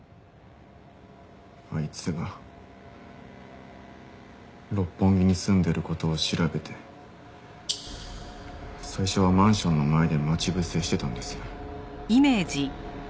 あいつが六本木に住んでる事を調べて最初はマンションの前で待ち伏せしてたんです。